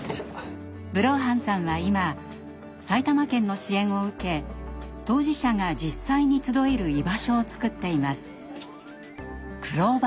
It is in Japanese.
ブローハンさんは今埼玉県の支援を受け当事者が実際に集える居場所をつくっています。